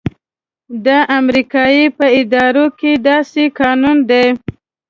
د امریکې په ادارو کې داسې قانون دی.